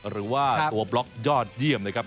หรือว่าตัวบล็อกยอดเยี่ยมนะครับ